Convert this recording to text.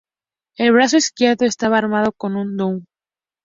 El brazo izquierdo estaba armado con un doug.